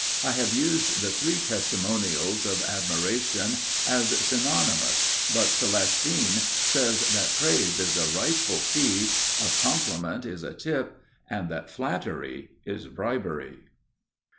I have used the three testimonials of admiration as synonymous, but Celestine says that praise is a rightful fee, a compliment is a tip, and that flattery is bribery.